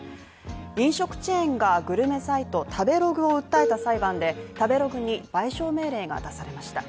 飲食チェーンがグルメサイト食べログを訴えた裁判で「食べログ」に賠償命令が出されました。